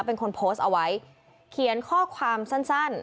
เป็นคนโพสต์เอาไว้เขียนข้อความสั้น